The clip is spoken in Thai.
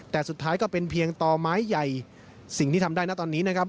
แต่สุดท้ายก็เป็นเพียงต่อไม้ใหญ่สิ่งที่ทำได้นะตอนนี้นะครับ